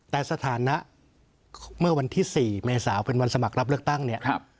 แต่สถานะเมื่อวันที่๔เมษาเป็นวันสมัครรับเลือกตั้งเนี่ย